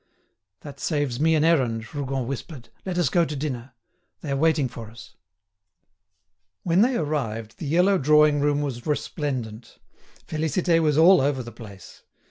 "That saves me an errand," Rougon whispered. "Let us go to dinner. They are waiting for us." When they arrived, the yellow drawing room was resplendent. Félicité was all over the place.